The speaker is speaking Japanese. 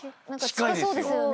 近そうですよね。